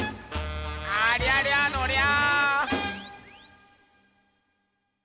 ありゃりゃのりゃ！